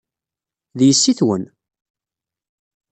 D yessi-twen!